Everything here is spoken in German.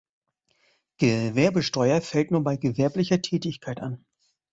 Gewerbesteuer fällt nur bei gewerblicher Tätigkeit an.